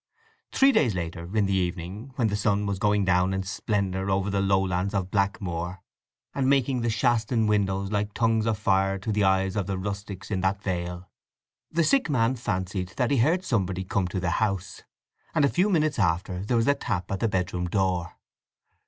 Three days later, in the evening, when the sun was going down in splendour over the lowlands of Blackmoor, and making the Shaston windows like tongues of fire to the eyes of the rustics in that vale, the sick man fancied that he heard somebody come to the house, and a few minutes after there was a tap at the bedroom door.